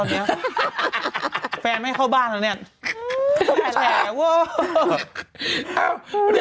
แจ็คแฟนฉันนี้